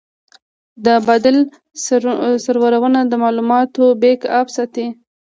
د بادل سرورونه د معلوماتو بیک اپ ساتي.